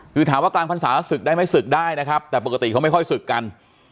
คือถามว่ากลางพรรษาศึกได้ไหมศึกได้นะครับแต่ปกติเขาไม่ค่อยศึกกัน